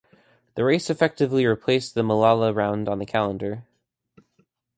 The race effectively replaced the Mallala round on the calendar.